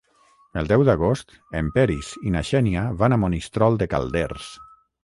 El deu d'agost en Peris i na Xènia van a Monistrol de Calders.